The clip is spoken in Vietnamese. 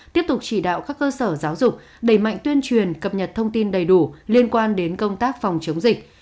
tiếp tục chỉ đạo các cơ sở giáo dục đẩy mạnh tuyên truyền cập nhật thông tin đầy đủ liên quan đến công tác phòng chống dịch